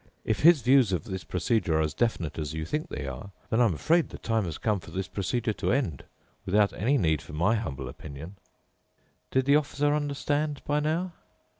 If his views of this procedure are as definite as you think they are, then I'm afraid the time has come for this procedure to end, without any need for my humble opinion." Did the Officer understand by now?